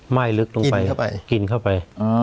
ลึกลงไปกินเข้าไป